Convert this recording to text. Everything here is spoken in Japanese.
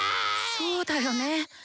そうだよね。